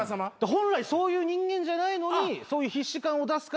本来そういう人間じゃないのにそういう必死感を出すから。